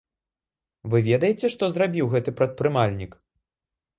Вы ведаеце што зрабіў гэты прадпрымальнік?